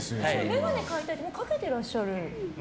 眼鏡買いたいってもうかけていらっしゃる。